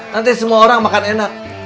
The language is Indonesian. nanti semua orang makan enak